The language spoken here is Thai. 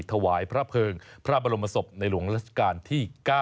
ถวายพระเภิงพระบรมศพในหลวงราชการที่๙